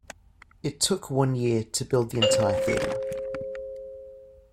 It took one year to build the entire theatre.